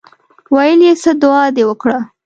ویل یې څه دعا دې وکړه.